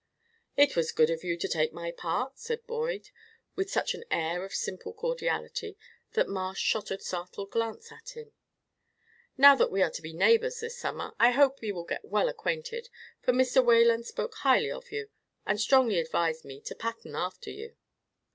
"It was good of you to take my part," said Boyd, with such an air of simple cordiality that Marsh shot a startled glance at him. "Now that we are to be neighbors this summer, I hope we will get well acquainted, for Mr. Wayland spoke highly of you, and strongly advised me to pattern after you."